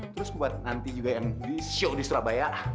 terus buat nanti juga yang di show di surabaya